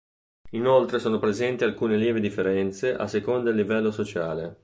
Inoltre sono presenti alcune lievi differenze a seconda del livello sociale.